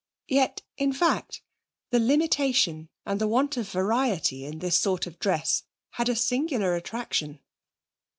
Yet, in fact, the limitation and the want of variety in this sort of dress had a singular attraction.